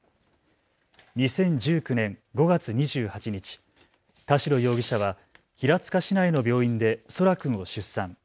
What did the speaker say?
２０１９年５月２８日、田代容疑者は平塚市内の病院で空来君を出産。